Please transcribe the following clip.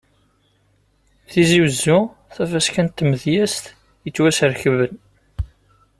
Tizi Uzzu, tafaska n tmedyazt yettwasrekben.